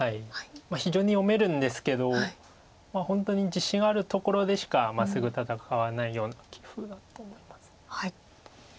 非常に読めるんですけど本当に自信あるところでしかまっすぐ戦わないような棋風だと思います。